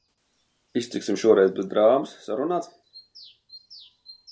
Iztiksim šoreiz bez drāmas, sarunāts?